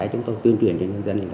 chúng tôi tuyên truyền cho nhân dân